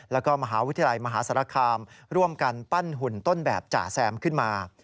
และมหาวิทยาลัยมหาศาลคลามร่วมกันปั้นหุ่นต้นแบบก็จะแซ้มขึ้นมา